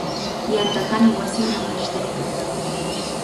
Yantatami wasinman ashtaykan.